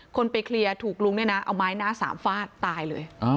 คนไปเคลียร์ถูกลุงเนี่ยนะเอาไม้หน้าสามฟาดตายเลย